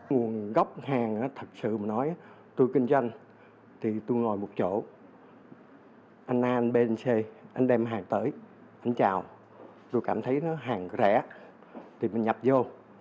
nguồn gốc hàng thật sự mà nói tôi kinh doanh thì tôi ngồi một chỗ anh a anh b anh c anh đem hàng tới anh chào tôi cảm thấy nó hàng rẻ thì mình nhập vô